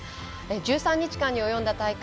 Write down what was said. １３日間に及んだ大会。